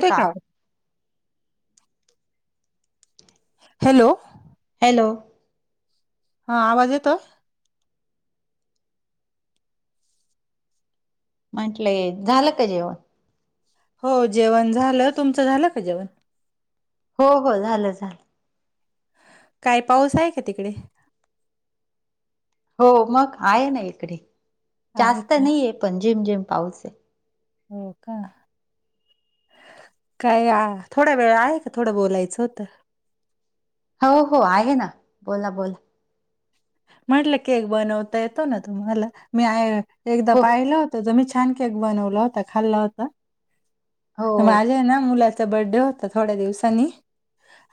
ते का hello! Hello! हां आवाज येतोय? म्हंटलंय झालं का जेवण? हो जेवण झालं. तुमचं झालं का जेवण? हो हो झालं झालं. काय पाऊस आहे का तिकडे? हो मग आहे ना इकडे. आहे जास्त का नाही पण झिम झिम पाऊस आहे. हो का. काय आ थोडा वेळ आहे का? थोडं बोलायचं होतं. हो हो आहे ना बोल ना बोल. म्हटलं केक बनवता येतो ना तुम्हाला? मी आय एकदा हो पाहिलं होत तुम्ही छा छान केक बनवला होता. खाल्ला होता हो तर माझे ना मुलाचा बड्डे हो आता थोड्या दिवसांनी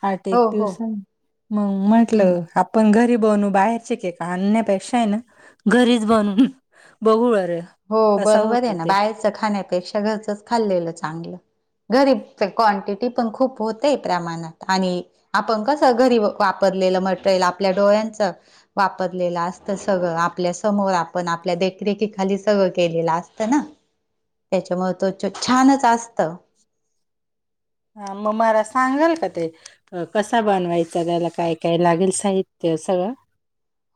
आठ एक हो हो दिवसानी मग हम्म म्हटलं आप पण घरी बनवु बाहेर ठिक का आणण्यापेक्षा ना घरीच बनून बघू बर. हो बरोबर आहे ना बाहेरचं खाण्यापेक्षा घरचंच खाल्लेलं चांगलं. गरीब क्वांटिटी पण खूप होतेय प्रमाणात आणि. आपण कसं घरी वापरलेलं मटेरियल आपल्या डोळ्यांचं. वापरलेलं असत सगळं आपल्या समोर आपण आपल्या देखरेखीखालीच. सगळं केलेलं असतं ना त्याच्यामुळं त्वच छानच असत. हा मग मला सांगाल का ते. अ कसा बनवायचां त्याला काय काय लागेल साहित्य सगळं.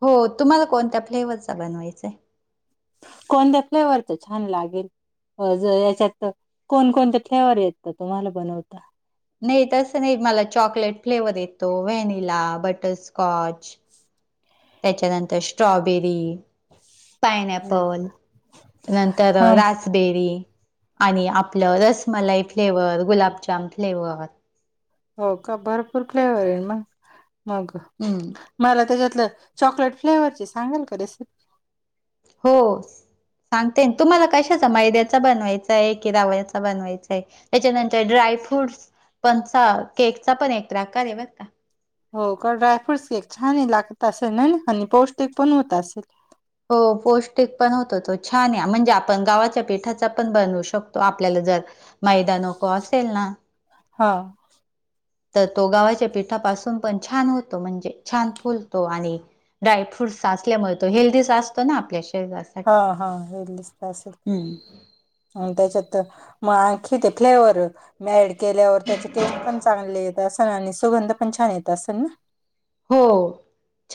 हो तुम्हाला कोणत्या फ्लेवरचा बनवायचं हाय. कोणत्या फ्लेवरच छान लागेल. अ ज याच्यात कोण कोणते प्लेवर येतं तुम्हाला बनवता. नाही तसं नाही मला चॉकलेट फ्लेवर येतो व्हॅनिला बटरस्कॉच. त्याच्यानंतर स्ट्रॉबेरी. पायनॲपल पल नंतर हा रास ''--'' बेरी आणि आपलं रसमलाई फ्लेवर गुलाबजाम फ्लेवर. हो का भरपूर फ्लेवर आहे मग मग. हम्म. मला त्याच्यातलं चॉकलेट फ्लेवरची सांगाल का रेसिपी. हो, सांगते तुम्हाला कशाचा मैद्याचा बनवायचा आहे की रावयाचा बनवायचा आहे. त्याच्यानंतर ड्राय फ्रूट्स पणचा केकचा पण एक प्र आकार आहे बरं का. हो का ड्रायफ्रूट्स केक छान आहे लागत असेल ना हनी पौष्टिक पण होत असेल. हो पौष्टिक पण होतं तो छान आहे. म्हणजे आपण गावाच्या पिठाचा पण बनवू शकतो आपल्याला जर. मैदा नको असेल ना. हा, तर तो गावाच्या पिठापासून पण छान होतो. म्हणजे छान फुलतो आणि. डाय फ्रुट्स असचल्यामुळे तो हेल्दी असतो ना आपल्या शरीरास. हा हा, हे दिसत असेल. त्याच्यात मग आणखी ते फ्लेवर मी ॲड. केल्यावर त्याचे टेस्ट पण चांगले येत असे ना आणि सुगंध पण छान येत असेल ना. हो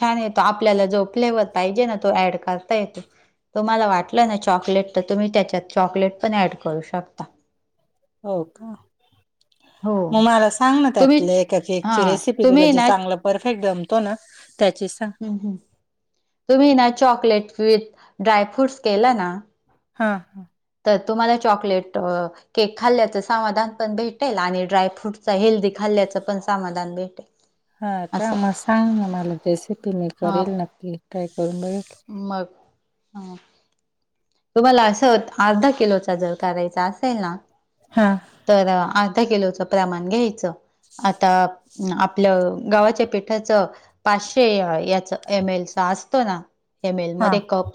छान येतो आपल्याला जो फ्लेवर पाहिजे ना तो ऍड करता येतो. तुम्हाला वाटलं ना चॉकलेट तर तुम्ही त्याच्यात चॉकलेट पण ऍड करू शकता. हो का. हो मग मला सांग ना त्यातले तुम्हीच एका हा केकची रेसिपी तुला तुम्ही जे ना चांगलं. परफेक्ट जमतो ना त्याचेच सांग. ह तुम्ही ना चॉकलेट विथ ड्राय फ्रूट्स केलं ना. हा हा, तर तुम्हाला चॉकलेट. केक खाल्ल्याचं समाधान पण भेटेल आणि ड्रायफ्रूटचा हेल्दी खाल्ल्याचं पण समाधान भेटेल. हा का असं मग सांग ना मला रेसिपी मी अ करेल नक्की ट्राय करून बघेल. मग हा, तुम्हाला असं अर्धा किलो चा जर करायचा असेल ना. हा, तर अर्धा किलोचं प्रमाण घ्यायचं. आता आपलं गावाच्या पिठाच. पाचशे याच एम एलचा असतो ना एम एल हा मध्ये कप.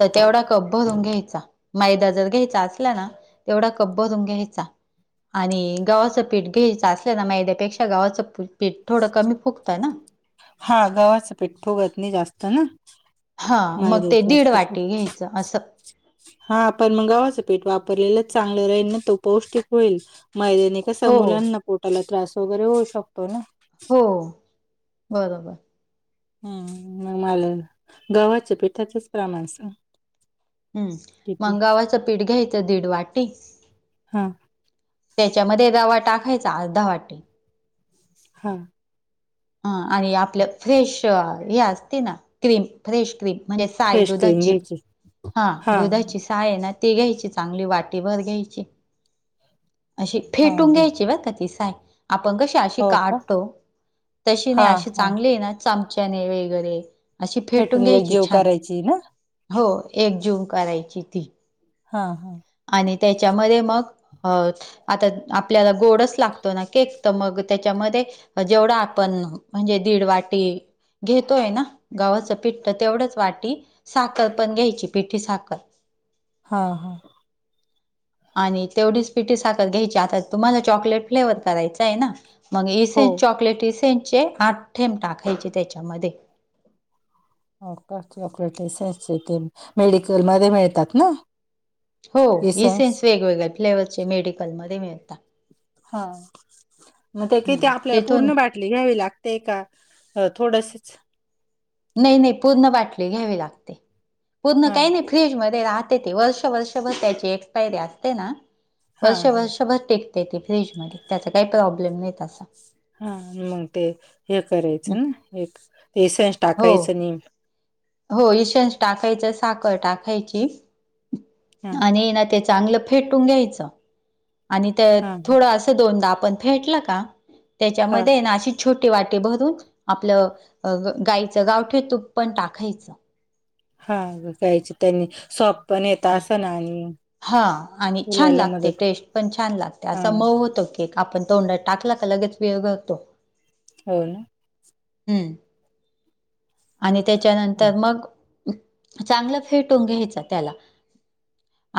तर तेवढा कप भरून घ्यायचा माैदा जर घ्यायचा असला ना तेवढा कप भरून घ्यायचा. आणि गव्हाचं पीठ घ्यायचं असल ना? मैद्यापेक्षा गव्हाचं पीठ थोडं कमी फुगत ना? हां. गव्हाचं पिठ फुगत नाही जास्त ना? हां. मग ते मैद्याच दीड असतं वाटी घ्यायचं असं. हा. पण म गव्हाचं पिठ वापरलेलंच चांगलं राहील. म तो पौष्टिक होईल. मैद्यानी - कस हो मुलांना पोटाला त्रास वगैरे होऊ शकतो ना? हो. बरोबर. हम्. मग मला गव्हाच्या पिठाचच प्रमाण सांग - हम्म. म गव्हाचं पीठ घ्यायचं दीड वाटी. हां. त्याच्यामध्ये रवा टाकाायचा आर्धा वाटी. हां. हं. आणि आपलं फ्रेश हे असते ना? Cream fresh cream. म्हणजे साय दुधाची. ठीक. हां. दुधाची साय ए ना? ती घ्यायची चांगली वाटीभर घ्यायची. अशी हा फेटून द घ्यायची बरं का ती साय. आपण कशी- अशी हो का काहाडतो तशी हा नाही. अशी हा चांगली आहे ना चमच्याने वेगरे- अशी फेटून एक घ्यायची जीव छान. करायची ना हो. एकजीव करायची ती. हा. हा. आणि त्याच्यामध्ये मग अ- आता आपल्याला गोडच लागतो ना केक? तर मग त्याच्यामध्ये- म जेवढ आपण, म्हणजे दीड वाटी- घेतोय ना गव्हाचं पिठ त तेवढंच वाटी साखर पण घ्यायची पिठी साखर. हां. हां. आणि तेवढीच पिठीसाखर घ्यायची. आता तुम्हाला चॉकलेट फ्लेवर करायचाय ना? मग हो इसेेन्स चॉकलेट इसेेन्सचे आठ थेंब टाकायचे त्याच्यामध्ये. हो का? चॉकलेट इसेन्सचे थेंब, मेडिकल मध्ये मिळतात ना? हो. इसेन्स वेगवेगळ्या फ्लेवरचे मेडिकलमध्ये मिळता. हां. म ते किती हम्म, आपल्याला तिथून पूर्ण बाट - -ली घ्यावी लागते का? थोडसच. नाही नाही. पूर्ण बाटली घ्यावी लागते. पूर्ण हा काही नाही- फ्रीज मध्ये राहते ती. वर्ष वर्षभर त्याची एक्सपायरी असते ना? हा वर्ष हा वर्षभर टिकतेे ती फ्रीज मध्ये. त्याचा काही प्रॉब्लेम नाही तसा. हा. मग ते हे हम्म. करायचं ना? एक इसेन्स हो टाकायचं नि- हो. इसेन्स टाकायच. साखर टाकायची. हा आणि ना त्याच - चांगलं फेटून घ्यायचं. आणि त हा थोडं असं दोनदा आपण फेटल का हा त्याच्यामध्ये ना अशी- छोटी वाटी भरून आपलं गाईचं गावठी तूप पण टाकायचं. हां. रुपयाची पन्नी सॉफ्ट पण येत असल आणि- हां. आणि छान फुलायला लागते मदत टेस्ट पण छान लागते. हा असा मऊ होतो के - -क आपण तोंडात टाकला का लगेच विरघळतो. हो ना? हम्म. आणि त्याच्यानंतर मग- चांगलं फेटून घ्यायचं त्याला.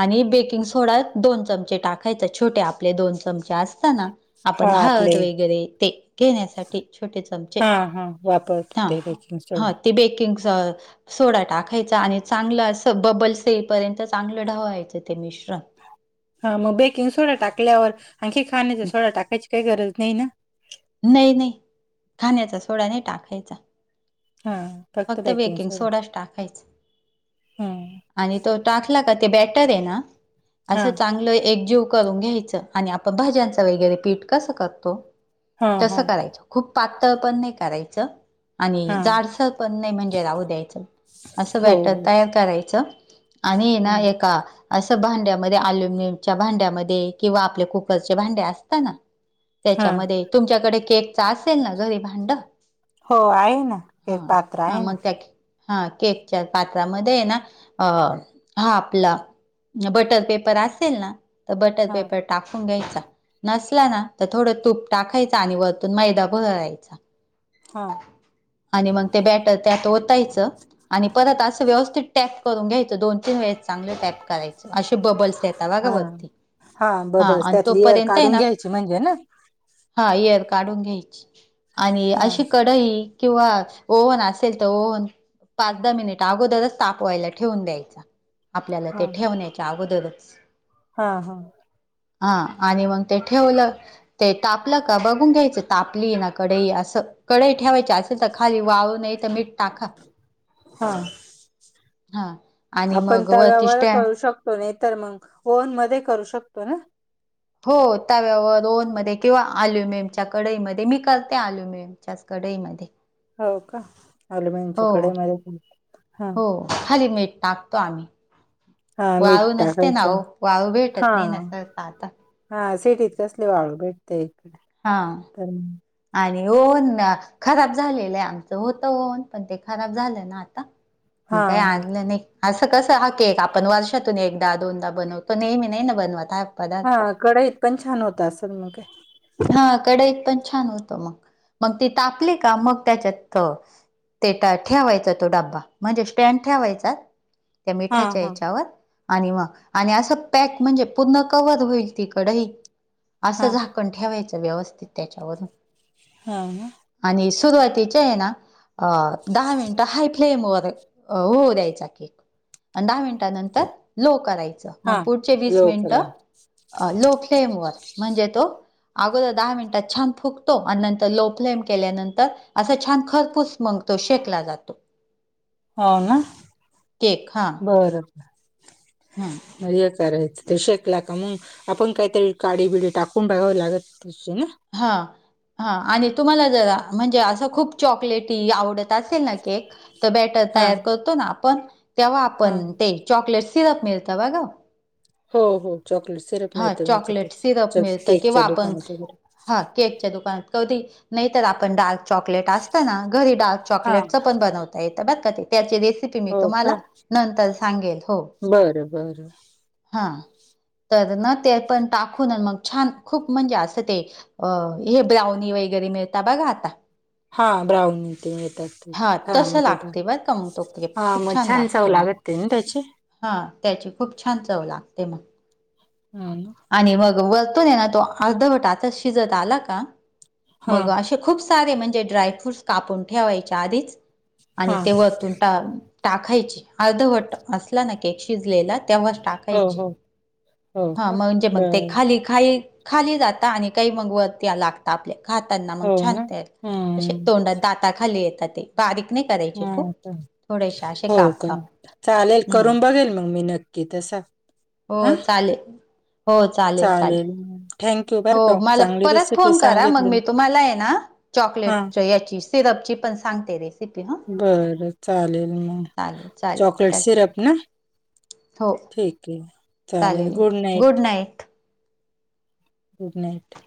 आणि बेकिंग सोडा दोन चमचे टाकायचा. छोटे आपले दोन चमचे असता ना? आपण हा हळद आपले वगैरे ते घेण्यासाठी छोटे चमचे, हा. अच्ा [inaudible] हा ते बेकिंग च सोडा टाकायचा आणि चांगलं अस बबलस येईपर्यंत चांगलं ढावायच ते मिश्रण. हा मग बेकिंग सोडा टाकल्यावर आणखी खाण्याचा सोडा टाकायची काही गरज नाही ना? नाही, नाही खाण्याचा सोडा नाही टाकायचा. फक्त बेकिंग सोडाच टाकायच. हा आणि तो टाकला का ते बेटर आहे ना हा असं चांगलं एकजीव करून घ्यायचं आणि आपण भाज्यांचा वगैरे पीठ कसं करतो. हा तस हा करायच खूप पातळ पण नाही करायच आणि हा जाडसर पण नाही म्हणजे राहू द्यायच अस हो बॅटर हो तयार करायचं आणि ये हा ना एका अस भांड्यामध्ये अल्युमिनियमच्या भांड्यामध्ये किंवा आपल्या कुकरचे भांडे असता ना हा त्याच्यामध्ये तुमच्याकडे केकच असेल ना घरी भांड? हो आहे ना हे पात्र आहे ना. हा केकच्या पात्रामध्ये ना अ हा आपला बटर पेपर असेल ना तर बटर हा पेपर टाकून घ्यायचा नसला ना तर थोडं तूप टाकायचा आणि वरतून मैदा भुरळायचा‌. हां. आणि मग ते बॅटर त्यात होतायच आणि परत असं व्यवस्थित टॅक करून घ्यायचं दोन, तीन वेळेस चांगलं टॅक करायचं असे बबल्स येता बगा हा वरती हा आणि तोपर्यंत आहे ना ची म्हणजे न. हा एयर काढून घ्यायची आणि हा अशी कढई किंवा ओव्हन असेल तर ओव्हन. पाच, दहा मिनिट अगोदरच तापवायला ठेवून द्यायचं आपल्याला ते ठेवण्याच्या अगोदरच हां हा. हा आणि मग ते ठेवलं ते ताप तापल का बघून घ्यायचं तापली ये ना कढई असं कढई ठेवायची असेल तर खाली वाळू नाही तर मीठ टाका हा हां आपण तव्यावर करू शकतो नाही तर मग ओव्हन मध्ये करू शकतो ना? हो तव्यावर ओव्हनमध्ये किंवा अल्युमियमच्या कढईमध्ये मी करते अल्युमिय च्याच कढाईमध्ये. हो का ॲल्युमिनियमच्या कढई मध्ये. हो खाली मीठ टाकतो आम्ही. हा मीठ वाळू नसते ना टाकायचं हो वाळू भेटत हा नाही ना सहसा आता. हा सिटीत कसली वाळू भेटते. हां. तर मग [inaudible] आणि ओव्हन म्या खराब झालेलं आहे आमचं होतं ओव्हन पण ते खराब झालं ना आता. मग हा काय आणलं नाही. असं कस हा केक आपण वर्षातून एकदा दोनदा बनवतो नेहमी नाही ना बनवत हा हा पदार्थ कडईत पण छान होत असलं मग काय. हा कडईत पण छान होतो मग मग ती तापली का मग त्याच्यातथ. ते ता ठेवायचा तो डब्बा म्हणजे स्टँड ठेवायचा त्या हा मिठाच्या हा याच्यावर. आणि मग आणि असं पॅक म्हणजे पुर्ण कव्हर होईल ती कढई असं हा. झा ''--'' पण ठेवायचं व्यवस्थित त्याच्यावरून. ''हां'' आणि सुरुवातीचे ये ना अ दहा मिनिटं हाय फ्लेम वर. अ होऊ द्यायचा केक. आणि दहा मिनिटानंतर लो करायचं मग हा पुढचे वीस लोकला मिनिटं. अ लो फ्लेम वर म्हणजे तो. अगोदर दहा मिनिटात छान फुगतो आणि नंतर लो फ्लेम केल्यानंतर. असं छान खरपूस मग तो शेकला जातो. हो ना केक हां बर. हां मग हे करायचं तो शेकला का मग आपण काहीतरी काडी बिडी टाकून बघावं लागत. तशी ना. ''हां'' हा आणि तुम्हाला जरा म्हणजे असं खूप चॉकलेटी आवडत असेल ना केक. तर बॅटर हा तयार करतो ना आपण तेव्हा हा आपण ते चॉकलेट सिरप मिळतं बगाव. हो हो चॉकलेट सिरप हा मिळत चॉकलेट याच्यातच सिरप मिळतं किंवा केकच्या आपण दुकानात गेल्यावर. हा केकच्या दुकानात कधी नाही तर आपण डार्क. चॉकलेट असतना घरी डार्क हा चॉकलेट चं पण बनवता येतं बर का ते त्याचे रेसपि. की हो तुम्हाला का नंतर सांगेल हो. बरं बरं. हा तर न ते पण टाकून मग छान खूप म्हणजे असं ते. अ हे ब्राऊनी वगैरे मिळता बघा आता. हां ब्राऊनी ते येतात. मिक्स हा तसं मग तोटा लागते बरं का मग तो क्रेप हा खूप मग छान चव लागतो मग लागती ना त्याची. हा त्याची खूप छान चव लागते मग. हा ना. आणि मग वरतून हे ना तो अर्धवटाचा शिजत आला का. हा मग असे खूप सारे म्हणजे ड्रायफ्रूट्स कापून ठेवायचे आधीच. आणि हा ते वरतून टाक ''--'' टाकायची अर्धवट असला ना केक शिजलेला तेव्हा टाक ''--'' हो हो, हो हा का म्हणजे मग ते बर खाली खाई खाली जाता आणि काही मग वर लागता. आपल्या खाताना मग हो छान ना ते असे हम्म तोंडात दाता खाली येतात ते. बारीक नाही करायची खूप. हा थोडेसे असे हो काप का काप चालेल हम्म करून बघेल मग मी नक्की तसा. हो हा चालेल. चालेल. थँक्यू बरं हो का मला चांगली परत रेसिपी फोन करा मग सांगितली मी तुम्हाला आहे ना हां. चॉकलेट याची सिरपची पण सांगते रेसिपी हां बर चालेल मग चालेल च चालेल ''--'' चालेल कडसिरप ना. हो, ठीक आहे चालेल गुड नाईट. Good night.